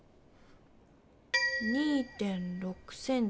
２．６ｃｍ。